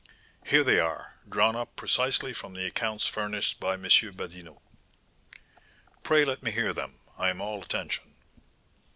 "Here they are, drawn up precisely from the accounts furnished by M. Badinot." "Pray let me hear them; I am all attention."